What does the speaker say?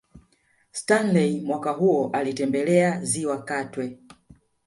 Stanley mwaka huo alitembelea Ziwa Katwe